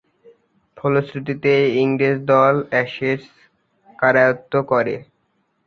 ফলশ্রুতিতে ইংরেজ দল অ্যাশেজ করায়ত্ত্ব করে।